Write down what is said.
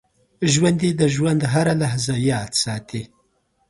ژوندي د ژوند هره لحظه یاد ساتي